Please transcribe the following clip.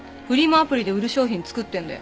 アプリで売る商品作ってんだよ。